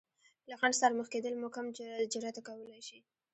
له خنډ سره مخ کېدل مو کم جراته کولی شي.